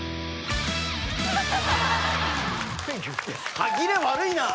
歯切れ悪いな！